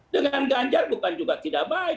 dengan ganjar bukan juga tidak baik